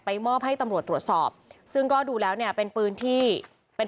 มอบให้ตำรวจตรวจสอบซึ่งก็ดูแล้วเนี่ยเป็นปืนที่เป็น